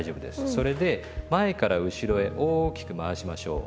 それで前から後ろへ大きく回しましょう。